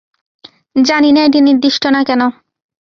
জানি না এটা নির্দিষ্ট না কেন।